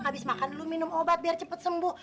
abis makan lo minum obat biar cepet sembuh